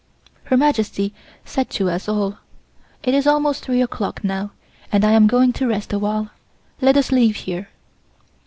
Her Majesty said to us all: "It is almost three o'clock now, and I am going to rest a while. Let us leave here."